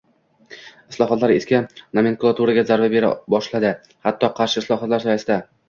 Islohotlar eski nomenklaturaga zarba bera boshladi - hatto qarshi islohotlar soyasida